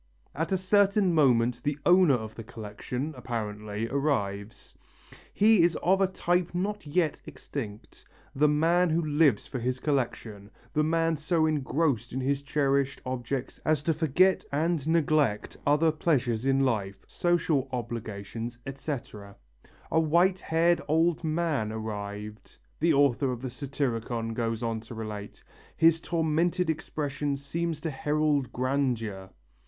At a certain moment the owner of the collection, apparently, arrives. He is of a type not yet extinct: the man who lives for his collection, the man so engrossed in his cherished objects as to forget and neglect other pleasures in life, social obligations, etc. "A white haired old man arrived," the author of the Satyricon goes on to relate, "his tormented expression seemed to herald grandeur.